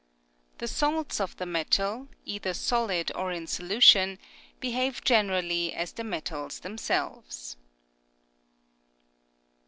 The salts of the metal, either solid or in solution, behave generally as the metals themselves.